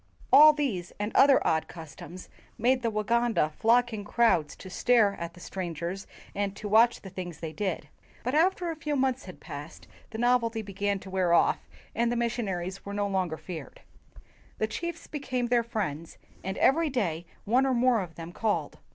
All these and other odd customs made the Waganda flock in crowds to stare at the strangers and to watch the things they did. But after a few months had passed, the novelty began to wear off, and the mission aries were no longer feared. The chiefs be 92 WHITE MEN AND BLACK MEN came their friends, and every day one or more of them called.